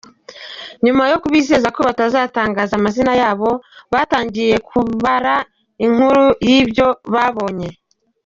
Nyuma yo kubizeza ko batazatangaza amazina yabo, batangiye kubara inkuru y’ibyo babonye.